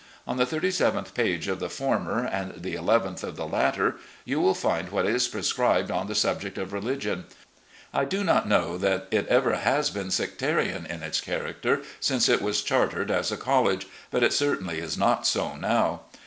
On the thirty seventh page of the former, and the eleventh of the latter, you will find what is prescribed on the subject of religion. I do not know that it ever has been sectarian in its character since it was chartered as a college ; but it certainly is not so now.